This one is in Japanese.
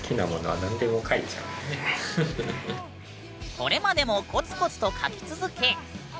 これまでもコツコツと描き続け。